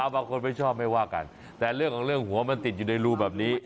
บางคนไม่ชอบไม่ว่ากันแต่เรื่องของเรื่องหัวมันติดอยู่ในรูแบบนี้